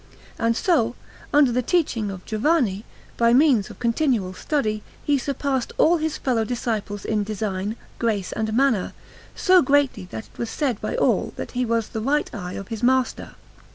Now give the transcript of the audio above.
And so, under the teaching of Giovanni, by means of continual study he surpassed all his fellow disciples in design, grace, and manner, so greatly that it was said by all that he was the right eye of his master.